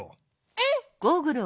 うん！